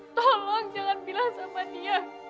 tolong jangan bilang sama dia